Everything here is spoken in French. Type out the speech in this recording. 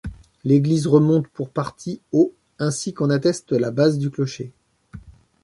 L'église remonte pour partie au ainsi qu'en atteste la base du clocher.